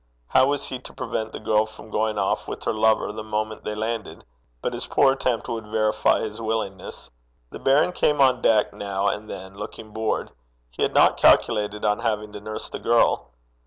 How was he to prevent the girl from going off with her lover the moment they landed? But his poor attempt would verify his willingness. The baron came on deck now and then, looking bored. He had not calculated on having to nurse the girl.